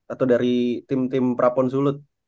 atau dari tim tim prapon sulut